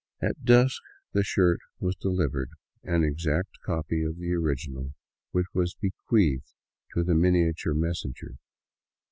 At dusk the shirt was delivered, an exact copy of the original, which was bequeathed to the miniature messenger.